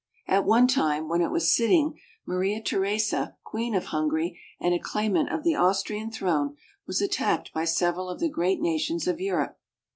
At one time, when it was sitting, Maria Theresa, queen of Hungary and a claimant of the Austrian throne, was attacked by several of the great nations of Europe.